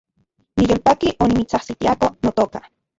Niyolpaki onimitsajsitiako, notoka